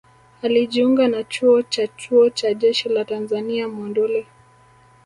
Alijiunga na Chuo cha Chuo cha Jeshi la Tanzania Monduli